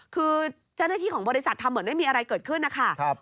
คือเจ้าหน้าที่ของบริษัททำเหมือนไม่มีอะไรเกิดขึ้นนะคะ